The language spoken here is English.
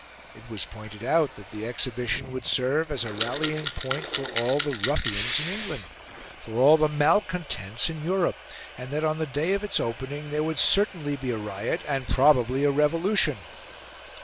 It was pointed out that the Exhibition would serve as a rallying point for all the ruffians in England, for all the malcontents in Europe; and that on the day of its opening there would certainly be a riot and probably a revolution.